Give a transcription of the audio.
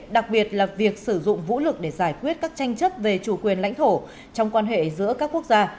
đặc biệt là việc sử dụng vũ lực để giải quyết các tranh chấp về chủ quyền lãnh thổ trong quan hệ giữa các quốc gia